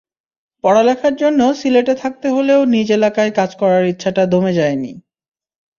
পড়ালেখার জন্য সিলেটে থাকতে হলেও নিজ এলাকায় কাজ করার ইচ্ছাটা দমে যায়নি।